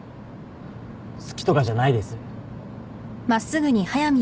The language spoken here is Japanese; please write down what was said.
好きとかじゃないです。